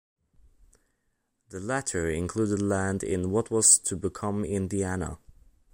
The latter included land in what was to become Indiana.